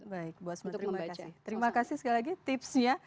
baik bu asma terima kasih sekali lagi tipsnya